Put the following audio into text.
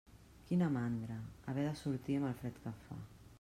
Quina mandra, haver de sortir amb el fred que fa.